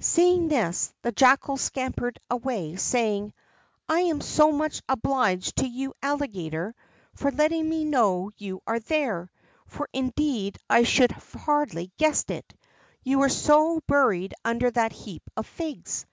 Seeing this, the Jackal scampered away, saying: "I am so much obliged to you, Alligator, for letting me know you are there, for indeed I should hardly have guessed it. You were so buried under that heap of figs."